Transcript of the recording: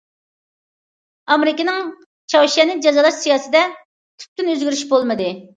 ئامېرىكىنىڭ چاۋشيەننى جازالاش سىياسىتىدە تۈپتىن ئۆزگىرىش بولمىدى.